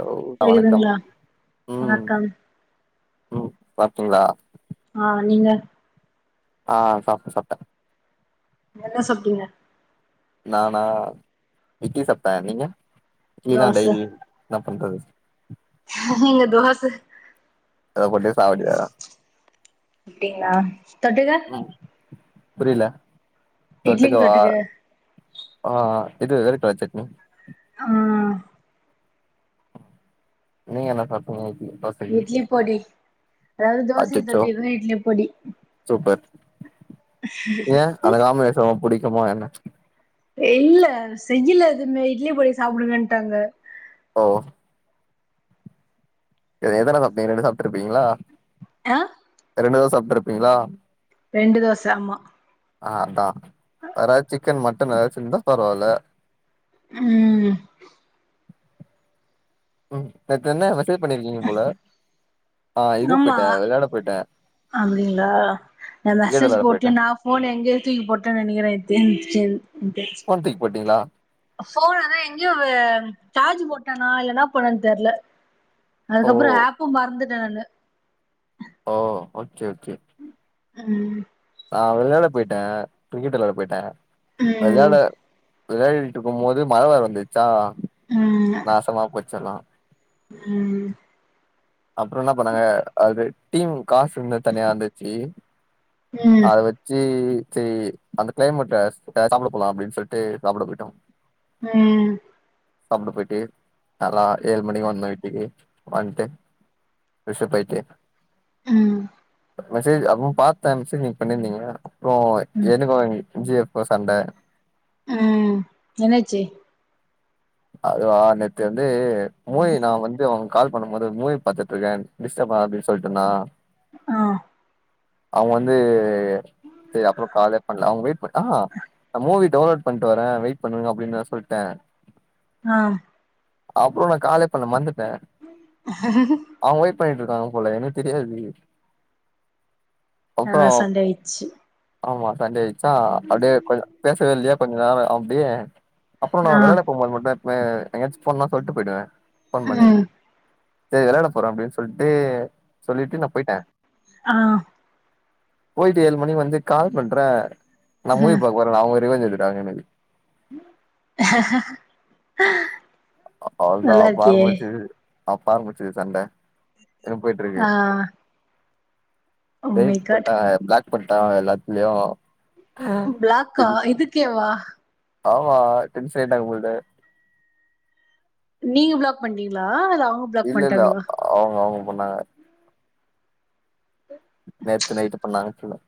அ வணக்கம் கேக்குதுங்களா ம் வணக்கம் ம் நல்லாருக்கீங்களா ஆ நீங்க ஆ சாப்ட சாப்ட என்ன சாப்டீங்க நானா இட்லி சாப்ட நீங்க இட்லி தா டெய்லியு என்ன பண்றது நீங்க தோச அத போட்டே சாவடிக்கிரான் அப்டிங்களா தொட்டுக்க ம் புரியல இட்லிக்கு தொட்டுக்கவா தொட்டுக்க ஆ இது வேர்கடலை சட்னி ஆ நீங்க என்னா சாப்பிட்டிங்க இட்லி பொடி அதாவது தோசைக்கு அச்சச்சோ தொட்டி இரு இட்லி பொடி ஏன் அது காமல் வெஷம் புடிக்குமா என்ன இல்ல செய்யல எதுவுமே இட்லி பொடி சாப்பிடுங்கன்ட்டாங்க ஓ எதனால அப்டி ரெடி சாப்பிட் இருப்பீங்களா ஆ ரெண்டு தோசை சாப்ட்டு இருப்பீங்களா ரெண்டு தோச ஆமா ஆ அதான் வேற ஏதாவது சிக்கன் மட்டன் ஏதாச்சும் இருந்தா பரவாயில்ல ம் ம் நேத்து என்ன மெசேஜ் பண்ணிருக்கீங்க போல ஆ இது ஆமா போயிட்ட வெளையாட போயிட்ட அப்படிங்களா நான் கேம் மெசேஜ் வெளையாட போயிட்ட போட்டு நான் போன் எங்க தூக்கி போட்டு நினைக்கிறேன் ஃபோன் துக்கி போட்டீங்களா போன்தான் எங்கயோ சார்ஜ் போட்டோனா இல்லன்னா பண்ணேன்னு தெர்ல ஓ அதுக்கப்புறம் ஆப்பும் மறந்துட் தெர்ல ஓ செரி செரி ம் நான் விளையாட போயிட்டேன் கிரிக்கெட் விளையாட போயிட்டேன் ம் விளையாட விளையாடிட்டு இருக்கும் போது மழை வேற வந்துச்சா ம் நாசமா போச்சலாம் ம் அப்புறம் என்ன பண்ணாங்க அது டீம் காசு இருந்த தனியா இருந்துச்சு ம் அத வச்சு சரி அந்த கிளைமேட்ல சாப்பிட போலா அப்டின்னு சொல்லிட்டு சாப்பிட போயிட்டோ உம் சாப்ட போயிட்டு நல்லா ஏழு மணிக்கு வந்தோ வீட்டுக்கு வந்துட்டு ப்ரஷ் அப் ஆய்ட்டு உம் மெசேஜ் அப்போ பாத்தே சரி நீங்க பண்ணிருந்தீங்க ஓ ம் எனக்கு வந் இப்போ சண்ட உம் என்னாச்சு அதுவா நேத்து வந்து மோயி நா வந்து அவங் கால் பண்ணு போது மூவி பாத்துட்டு இருக்கே டிஸ்ட்பாது அப்டின் சொல்ட்டனா ஆ அவுங்க வந்து அப்றோ காலே பண்ணல அவுங்க வெயிட் பண்ண ஆஹ மூவி டவுன்லோட் பண்ணிட்டு வரே வெயிட் பண்ணுங்க அப்டின்னு நா சொல்ட்டே ஆ அப்றோ நா காலே பண்ணல மரந்த அவுங்க பண்ணிட்டு இருக்காங்க போல எனக்கு தெரியாது அப்புறோ ஆ சண்டயாயிச்சு ஆமா சண்டே ஆயிச்சா அப்டியே கொஞ்ச ஓ பேசவே இல்லயா கொஞ்சோ நேரோ அப்டியே அப்றோ நா ஆ வெளயாட எங்காச்சு போலான்னா சொல்லிட்டு போயிடுவே ஃபோன் பண்ணிங்க ம் சரி வெளயாட போறே அப்டின்னு சொல்ட்டு சொல்லிட்டு நா போயிட்டே ஆ போயிட்டு ஏழு மணிக்கு வந்து கால் பண்றே நா மூவி பக்க வரா அவுங்க ரிவெஞ்ச் இது [unintelligible] ஹ [unintelligible] அவதா பாருமச்சி அப்ப ஆரம்பிச்சது சண்ட என்ன போயிட்டு ஆ இருக்கு ஓ மை காட் டேட்பட்ட பிளாக் பண்ணிடு ஆ எல்லாத்துலயோ ஒ பிளாக்கா இதுக்கேவா ஆமா டென்ஷ்னாய்டாங்க போல்டு நீங்க பிளாக் பண்டிங்களா அத அவ இல்ல இல்ல அவுங்க அவுங் பன்னாங்க நேத்து நைட்டு பண்ணாங்க ஆக்ச்வலா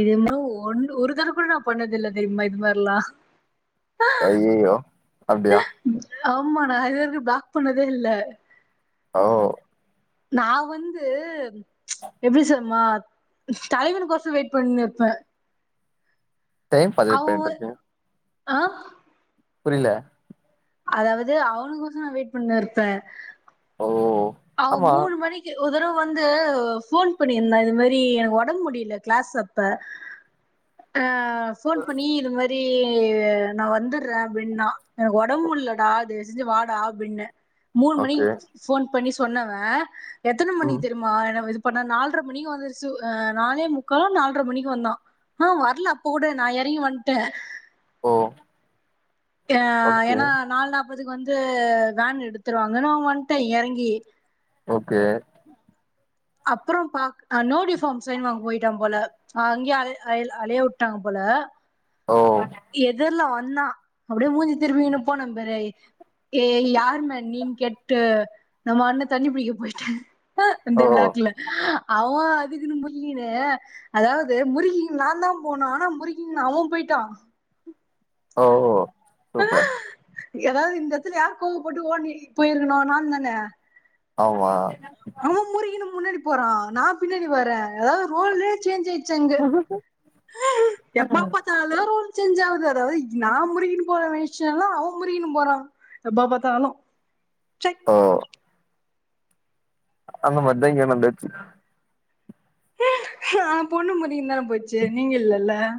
இது மாரி ஒன்னு ஒரு தரவ கூட நா பண்ணதில்ல தெரியுமா இது மாரிலா அய்யையோ அப்டியா ஆமா நா இதுவரயு பிளாக் பண்ணதே இல்ல ஓ நா வந்து எப்டி சொமா தலைவனு கொசரோ வெயிட் பண்ணிட்ருப்பே டைம் பதிவி பன்ட்ருக்கே ஆ புரில அதாவது அவனுக்கொசோ நா வெயிட் பண்ணின் இருப்பே ஓ அவே ஆமா மூணு மணிக்கு வொருதரவ வந்து ஃபோன் பண்ணிருந்தே இது மாரி எனக்கு ஒடம்பு முடியல கிளாஸ் அப்ப ஆ ஃபோன் பண்ணி இது மாரி ஏ நா வந்துட்றே அப்டின்னா எனக்கு ஒடம்பு முல்லடா தயவுச்செஞ்சு வாடா அப்டின்னே மூணு ஓகே மணிக்கு ஃபோன் பண்ணி சொன்னவே எத்தன மணிக்கி ம் தெரிமா என்ன இது இப்ப நா நால்ர மணிக்கு வந்துருச்சு ஆ நாளே முக்காலோ நால்ர மணிக்கு வந்தா ஆ வரல அப்போ கூட நா எறங்கி வன்ட்டே ஓ ஏ ஓகே ஏனா நாலு நா ப்பத்துக்கு வந்து வேன் எடுத்துருவாங்கனு நா வன்ட்டே எறங்கி ஓகே அப்பறோ பாக் நோ டியூஃபார்ம் சைன் வாங்க போயிட்டா போல அங்கயே அலையா விட்டாங்க போல ஓ எதல்லா வந்தா அப்டியே மூஞ்சி திருப்பிக்கினு போனேம் பாரு ஏ யாருமே நீன்னு கேட்டு நா பாட்னு தண்ணி புடிக்க போயிட்டே ஆ அந்த ஓ விளாட்ல அவே அதுக்குனு முறுக்கிக்குனு அதாவ்து முறுக்கிக்கினு நான்தா போணு ஆனா முறுக்கிக்கினு அவே போய்ட்டா ஓ ஓ சூப்பர் எதாவது இந்த எட்த்துல யாரு கோவப்பட்டு ஓடி போயிருக்கணு நான்தானே? ஆமா முன்னாடி போறா நா பின்னாடி வர்றே அதாவது ரோலே சேஞ்ச் ஆயிரு ச்சு அங்க எப்ப பாத்தாலு சேஞ்ச் ஆவுது அதாவது நா முறுக்கிக்கினு போலான்னு நெனச்சன்னா அவே முறுக்கிக்கினு போறா எப்ப பாத்தாலு. சை ஓ அந்த மாரிதா இங்க நடந்துருக்கு ஆ பொண்ணு முறுக்கிக்னா போச்சு நீங்க இல்லல்ல [inaudible]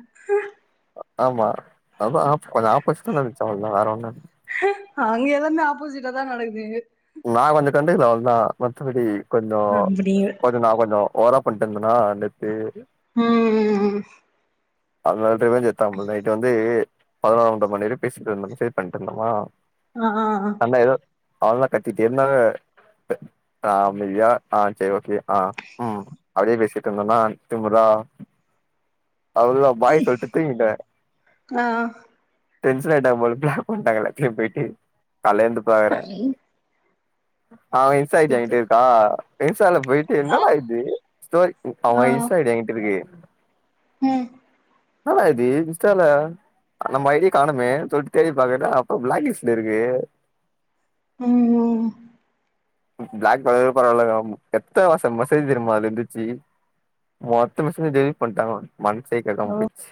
ஆமா அதா ஆப் கொஞ்ச ஆப்போசிட்டா நெனச்சே அவ்ளதா வேற ஒன்னு இல்ல அங்க எல்லாமே ஆப்போசிட்டாதா நடக்குது நா கொஞ்சோ கண்டுக்கல அவ்ளதா மத்தபடி கொஞ்சோ அப்டி கொஞ்சோ நா கொஞ்சோ ஓவரா பண்ட்டு இருந்தனா நேத்து ம் ம் ம் அதனால ரிவெஞ்ச் எடுத்தாப்புல நைட் வந்து பதனொன்ற மணி வரையு பேசிட்ருந்தோன்னு ஃபேக் பண்ட்டு இருந்தனா ஆ ஆ ஆ ஆ அவன்லா கத்திட்டே இருந்தா த ஆமா யே ஆ சேரி ஓகே ஆ ம் அப்டியே பேசிட்டு இருந்தனா திமிரா அவ்ளதா பாய் சொல்லிட்டு தூங்கிட்டே டென்சனாயிட்டா போல பிளாக் பண்ட்டாங்க எல்லாத்திலயு போய்ட்டு காலைல எழுந்து பாக்கறே அவ இன்ஸ்டா ஐ டி சுத்தி என்ட்ட இருக்கா இன்ஸ்டால போயிட்டு ஆ என்னடா இது ஸ்டோரி ஆ அவ இன்ஸ்டா ஐ டி என்கிட்ட இருக்கு ம் என்னடா இது இன்ஸ்டால நம்ம ஐ டி ய காணமே சொல்ட்டு தேடி பாக்கற அப்ப பிளாக்லிஸ்ட்ல இருக்கு ம் பிளாக் பன்னது பரவாயில்லக்கா எத்தன வருசம் மெசேஜ் தெரியுமா அதுல இருந்துச்சு மொத்த மெசேஜும் டெலிப் பண்ணிட்டாங்க மனசே கேக்கமா போயிடிச்சி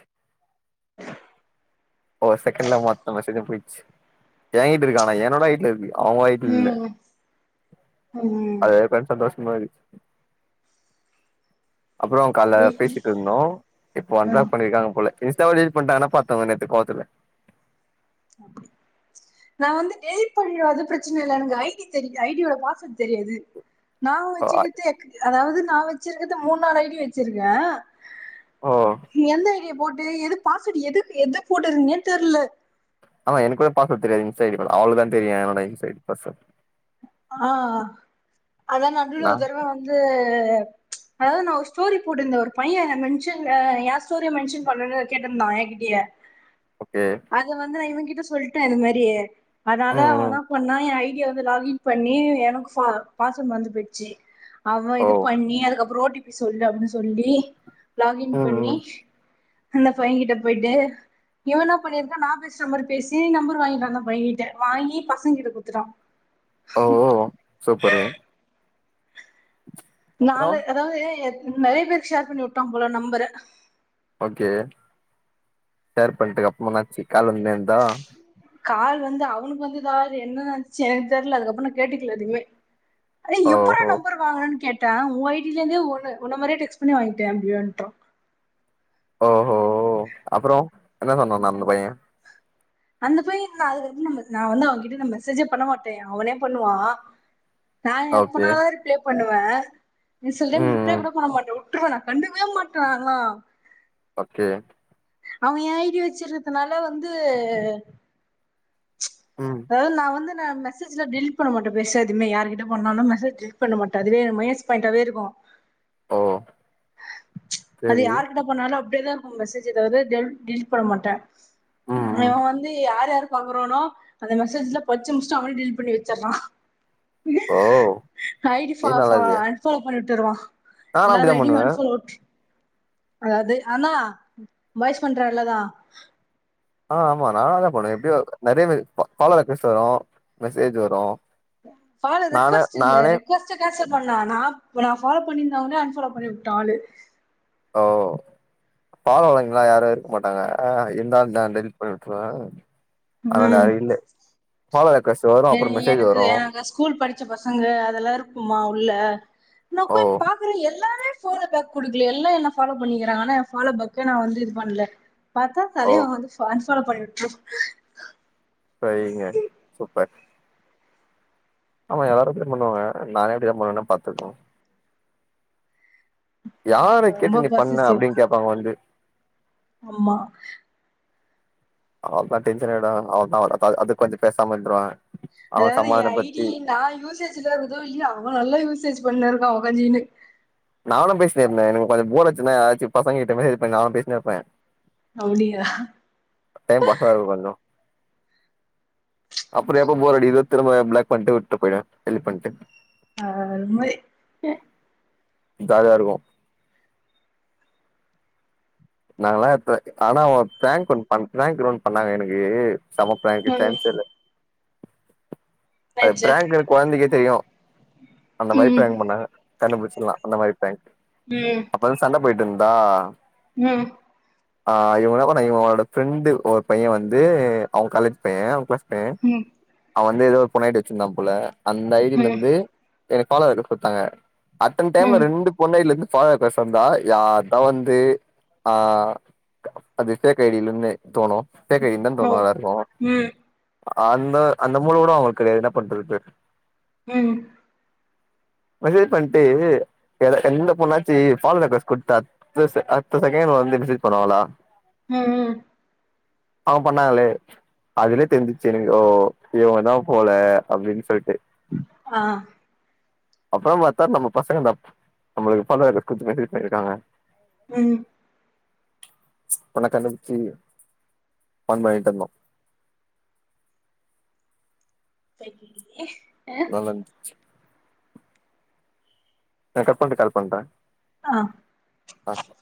ஓ செகண்ட்ல மொத்த மேசேஜம் போயிடிச்சு என் கிட்ட இருக்கு ஆனா என்னோட வீட்ல இருக்கு ம் ம் [unintelligible] மாரி அப்றோம் காலையில பேசிட்டு இருந்தோம் இப்போ வந்து தா பண்ணிருக்காங்க போல [unintelligible] நான் வந்து டெல்ட் பண்ண பிரச்சனை இல் எனக்கு ஐடி தெரிய ஐடியோட பாஸ்வேர்ட் தெரியாது நா. வச்சுக்கிறது அதாவது நா வச்சிருக்கது மூணு நாலு ஐ டி வச்சிருக்கேன் ஓ எந்த போட்டு எது பாச எது எத போட்டுதுன்னே தெரில ஆமா எனக்கு கூட பாஸ்வேர்டு தெரியாது இன்ஸ்டா ஐடி அவளுக்கு தான் தெரியும் என்னோட இன்ஸ்டா ஐடி பாஸ்வேர்ட் ஆ அதான் நடுயுள்ள நா ஒருதடவ வந்து அதாது நா ஒரு ஸ்டோரி போட்டிருந்தன் ஒரு பையன் மென்ஷன் என் ஸ்டோரிய மென்ஷன் பண்ணுன்னு கேட்டிருந்தான் என்கிட்ட ஓகே அத வந்து நா இவங்கிட் சொல்லிட்டேன் இந்த மாரி அதனால ம் அவ ம் என்ன பண்ணா என் ஐடியா வந்து லக்கின் பண்ணி எனக்கு பா பாஸ்வேர்டு மறந்து போயிடுச்சு அவ ஓ இது பண்ணி அதுக் ஓ டி பீ சொல்லு அப்டின்னு சொல்லி லாகின் ம் பண்ணி ம் அந்த பையங்கிட்ட போயிட்டு இவன் பண்ணிருக்கா நா பேசுற மாதிரி பேசி நம்பர் வாங்கிட்ட அந்த பையன்கிட்ட வாங்கி பசங்கிட்ட குடுத்துட்டான் ஓ ஓ சூப்பரு அப்றோ நாலு அதாது என் நெறைய பேருக்கு ஷேர் பண்ணி விட்டான் போல நம்பற ஓகே ஷேர் பண்ணிட்டுக்கு அப்பனாச்சு காலு வந்து இருந்தா கால் வந்து அவனுக்கு வந்து தரு என்னன்னு நடந்துச்சு எனக்கு தெரியல அதுக்கப்புறம் நான் கேட்டுக்கல எதுக்குமே அ எப்புற ஓஹோ நம்பருவாங்குன கேட் உ ஐடியில இருந்தே ஒ உன்ன மாரியே டெக்ஸ் பண்ணி வாங்கிட்டேன் அப்டின்டான் ஓ ஓ அப்றோ என்ன சொன்னான் அந்த பையன் அந்த பைய அது வந்து நம்ம நா வந்து அவங்கிட்ட நா மெசேஜே பண்ண மாட்ட அவனே பண்ணுவா நா ஓகே எப்பனாதா ரிப்ளே பண்ணுவ நீ சொல்லி நா ம் ரிப்ளே ம் கூட பண்ண மாட்ட உட் உட்ருவ நா கண்டுக்கவே மாட்டனாங்களா ஓகே அவ ஏ ஐடி வெச்சுருக்குறதுனால வந்து ம் அதா நா வந்து நா மெசேஜ்ல டெலிட் பண்ண மாட்ட பெருசா எதுமே யாரு கிட்ட ஃபோன் பண்ணாலு மெசேஜ் டெலிட் பண்ண மாட்ட அதுவே எனக்கு மைனஸ் பாயிண்டாவே இருக்கு ஓ அது சேரி யாரு கிட்ட போனாலு அப் அப்டியேதா இருக்கு மெசேஜ் மெசேஜ் எதாவது டெலிட் பண்ண மாட்ட ம் இவ ம் வந்து யார் யாருக் பாக்றோனு அந்த மெசேஜ்ல பச்சு முடுச்சுட்டு அவனே டெலிட் பண்ணி வெச்சர்றா ஓ ஐடி ஃபா இது நல்லாருக்கே அன் ஃபாலோ பண்ணியுட் ட்டுருவா நானு எல்லாரு அப்டிதா ஐடி பண்ணுவே அன் ஃபாலோட் அதாவது ஆனா பாயிஸ் பண்ற வேலதா ஆ ஆமா நானு அதா பண்ணுவ எப்டியோ நறையா ஃபாலோ பேஸ் வரு மெசேஜ் வரு ஃபோலோ அது நானே ரெக்வஸ்ட் இல்ல நானே ரெக்வஸ்ட்ட கேன்சல் பண்ணா நா ஃபாலோ பண்ணிருந்தவனே அன்ஃபாலோ பண்ணி உட்டா ஆளு ஓ ஃபாலோ வழங்குல்லா யாராரு இருக்க மாட்டாங்க அ இருந்தாலு நா டெலிட் பண்ணி உட்ருவ அந்த ம் ஐடில ஃபாலோ வேர் எனக்கு எனக்கு எங்க ஸ்கூல் படிச்ச பசங்க அதெல்லா இருக்குமா உள்ள நா ஓ போய் பாக்குற எல்லாமே ஃபாலோ பேக் குடுக்கல எல்லா என்ன ஃபாலோ பண்ணிக்கிறாங்கன்னா எ ஃபாலோபக்கே நா வந்து இது பண்ல பாத்தா ஓ தலைய வந்து ஃபான்ச் ஃபாலோ பண்ணி விட்ரு சேரிங்க சூப்பர் ஆமா எல்லாரு அப்டிதாம் பண்ணுவாங்க நானே அப்டிதா பண்ணுவனா பாத்துக்கோ யார கேட்டு ரொம்ப நீ பண்ண அப்டின் கேப்பாங்க வந்து ஆம்மா அவளதா டென்ஷன் ஆய்டுவாங்க அவள தா அதுக்கு கொஞ்ச பேசாமன்ட்ருவே அதாவது ஏ ஐ டி நா யூசேஜ்ல இருதோ இல்லையோ அவே நல்லா யூசேஜ் பண்ணு இருக்கா உகாஜின்னு நானு பேசினு இருந்தேன் எனக்கு கொஞ்ச போர் அட்சின்னா யாராச்சு பசங்க கிட்ட நா பேசினுருப்பே அப்டியா அப்பறோ எப்ப போறடிக்குதோ திரம பிளாக் பண்ட்டு விட்டு போயிடுவே டெலிட் பண்ட்டு அ அது மாரி ஜாலியா இருக்கு நாங்கலா [unintelligible] ஆனா ஒரு பிராங்க் பன்ட்டாங்க ப்ராங்க் ர ஒன் பண்ணாங்க எனக்கு செம பிரான்க்கு ம் சான்ஸ் சே இல்ல அது ஆச்சே பிராங்க்னு குழந்தைக்கே தெரியு அந்த மாரி பிராங் பண்ணாங்க கண்டுபிடிச்சுர்லா அந்த மாரி பிராங் அப்பதா சண்ட போயிட்டு இருந்தா உ ஆ இவ்ளோ நேரோ நா இவ இவனோட ஃப்ரெண்டு ஒரு பையே வந்து அவ காலேஜ் பைய அவ கிளாஸ் உ ம் அவ வந்து ஏதோ பொண்டாட்டி வச்சிருந்தா போல அந்த ஐ டில ம் இருந்து எனக்கு ஃபாலோ வேற கொடுத்தாங்க அத்தன டைம்ல ம் ரெண்டு பொண் ஐ டி ல இருந்து ஃபாலோ ரெக்யஸ்ட் வந்தா யார் தா வந்து ஆ அது ஃபேக் ஐ டிலனு தோனு ஃபேக் ஐ டினு தான தோணு ம் எல்லாருக்கு ம் அந்த அந்த மூல கூட அவங்களுக்கு கிடையாது என்ன பண்றது உ மெசேஜ் பண்ணிட்டு எந்த பொண்ணாச்சு ஃபாலோ ரெக்யஸ்ட் குடுத்தா அடுத்தஸ் [unintelligible] செகண்ட் வந்து மெசேஜ் பண்ணுவாங்களா உ உ அவங்க பண்ணாங்களே அதுலயே தெரிஞ்சிச்சு எனக்கு ஓ இவங்கதா போல அப்படின்னு சொல்லிட்டு ஆ அப்புற பாத்தா நம்ம பசங்க தா நம்மளுக்கு டிஃப்ரன்ட்டா ரெக்யஸ்ட் கொடுத்து மெசேஜ் பண்ணிருக்காங்க உ உண்ண கண்டுபுடிச்சி ஃபன் பன்னிட்ருந்தோ சேரி நல்லாருந்துச்சு நா கட் பண்ட்டு கால் பண்றே ஆ ஆமா